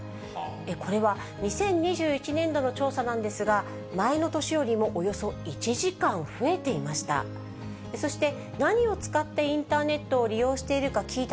これは２０２１年度の調査なんですが、前の年よりもおよそ１時間増えていました。